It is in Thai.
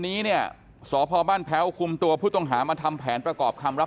นี้เนี่ยสพบ้านแพ้วคุมตัวผู้ต้องหามาทำแผนประกอบคำรับ